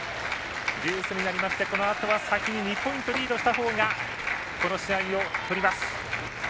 デュースになりまして、これは先に２ポイントリードしたほうがこの試合を取ります。